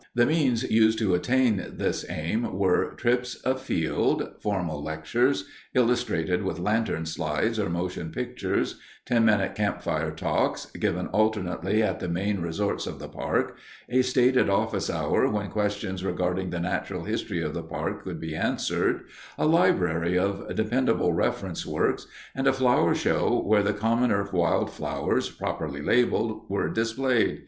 The means used to attain this aim were: trips afield; formal lectures, illustrated with lantern slides or motion pictures; ten minute campfire talks, given alternately at the main resorts of the park; a stated office hour when questions regarding the natural history of the park could be answered; a library of dependable reference works, and a flower show where the commoner wildflowers, properly labeled, were displayed.